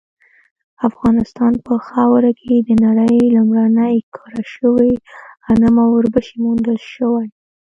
افغانستان په خاوره کې د نړۍ لومړني کره شوي غنم او وربشې موندل شوي